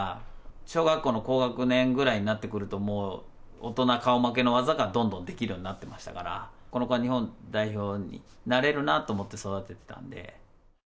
小学校の高学年ぐらいになってくるともう、大人顔負けの技がどんどんできるようになってましたから、この子は日本代表になれるなと思って育ててたんで。